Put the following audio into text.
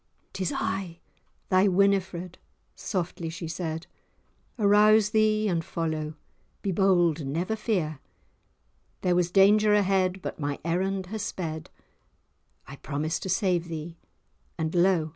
"'Tis I, 'tis thy Winifred!" softly she said, "Arouse thee and follow, be bold, never fear, There was danger ahead, but my errand has sped, I promised to save thee, and lo!